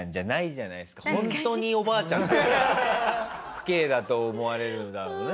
父兄だと思われるんだろうね。